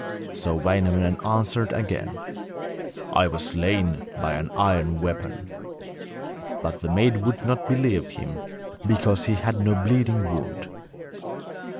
So Wainamoinen answered again: 'I was slain by an iron weapon.' But the maid would not believe him, because he had no bleeding wound.